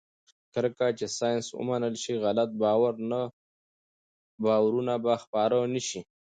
څرنګه چې ساینس ومنل شي، غلط باورونه به خپاره نه شي.